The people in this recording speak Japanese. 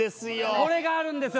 これがあるんですよ